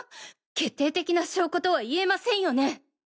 決定的な証拠とは言えませんよね。